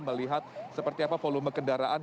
melihat seperti apa volume kendaraan